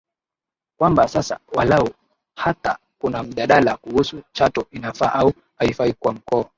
kwamba sasa walau hata kuna mjadala kuhusu Chato inafaa au haifai kuwa mkoa